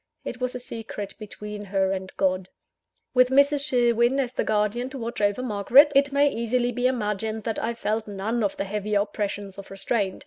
It was a secret between her and God. With Mrs. Sherwin as the guardian to watch over Margaret, it may easily be imagined that I felt none of the heavier oppressions of restraint.